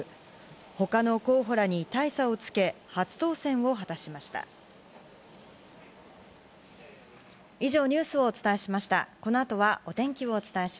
ほかの候補らに大差をつけ、初当選を果たしました。